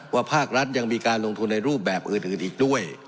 ภาครัฐยังมีการลงทุนในรูปแบบอื่นอีกด้วย